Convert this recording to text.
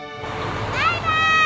バイバーイ！